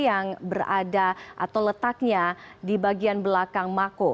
yang berada atau letaknya di bagian belakang mako